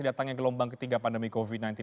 datangnya gelombang ketiga pandemi covid sembilan belas